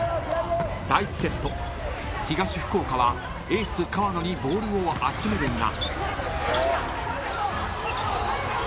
［東福岡はエース川野にボールを集めるが］